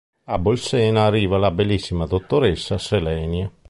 A Bolsena arriva la bellissima dottoressa Selenia.